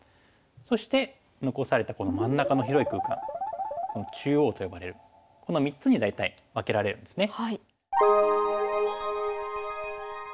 そして残されたこの真ん中の広い空間「中央」と呼ばれるこの３つに大体分けられるんですね。